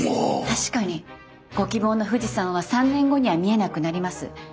確かにご希望の富士山は３年後には見えなくなります。